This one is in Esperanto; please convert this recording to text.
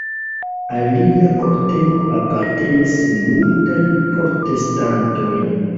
Al lia kortego apartenis multaj protestantoj.